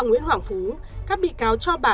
nguyễn hoàng phú các bị cáo cho bà